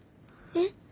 えっ？